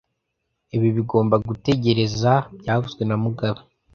Ibi bigomba gutegereza byavuzwe na mugabe